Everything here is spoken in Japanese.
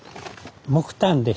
木炭です。